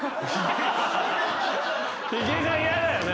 ヒゲが嫌だよね。